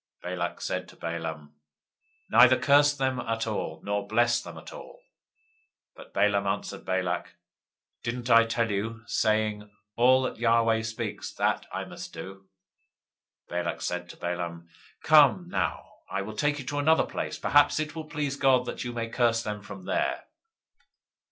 023:025 Balak said to Balaam, Neither curse them at all, nor bless them at all. 023:026 But Balaam answered Balak, Didn't I tell you, saying, All that Yahweh speaks, that I must do? 023:027 Balak said to Balaam, Come now, I will take you to another place; peradventure it will please God that you may curse me them from there.